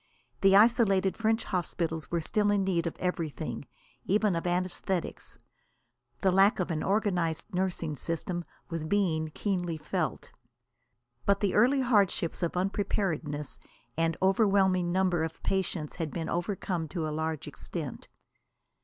The isolated French hospitals were still in need of everything, even of anæsthetics. The lack of an organised nursing system was being keenly felt. But the early handicaps of unpreparedness and overwhelming numbers of patients had been overcome to a large extent.